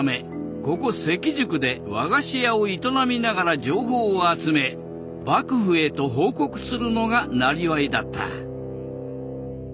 関宿で和菓子屋を営みながら情報を集め幕府へと報告するのがなりわいだった。